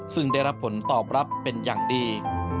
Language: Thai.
ซึ่งได้รับผลตอบรับเป็นอย่างดี